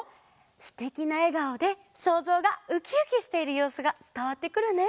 すてきなえがおでそうぞうがウキウキしているようすがつたわってくるね。